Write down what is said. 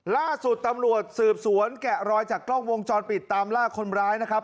ล่าสุดตำรวจสืบสวนแกะรอยจากกล้องวงจรปิดตามล่าคนร้ายนะครับ